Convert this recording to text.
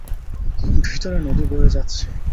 ভিতরে নদী বয়ে যাচ্ছে।